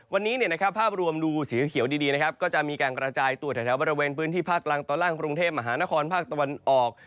วันนี้ภาพรวมดูสีเขียวดีนะครับก็จะมีการกระจายตัวแถวบริเวณพื้นที่ภาคกลางตอนล่างกรุงเทพมหานครภาคตะวันออก